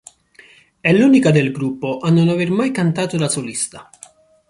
È l'unica del gruppo a non aver mai cantato da solista.